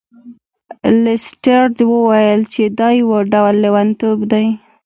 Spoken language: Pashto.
لیسټرډ وویل چې دا یو ډول لیونتوب دی.